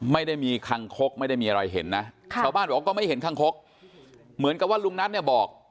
ไม่ได้มีคังคกไม่ได้มีอะไรเห็นนะชาวบ้านบอกว่าก็ไม่เห็นคังคกเหมือนกับว่าลุงนัทเนี่ยบอก